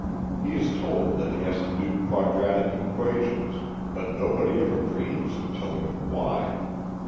He is told that he has to do quadratic equations, but nobody ever dreams of telling him why.